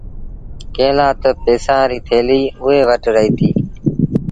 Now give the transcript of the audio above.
ڪݩهݩ لآ تا پئيسآݩ ريٚ ٿيليٚ اُئي وٽ رهيتي۔